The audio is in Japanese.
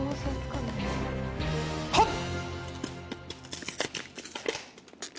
はっ！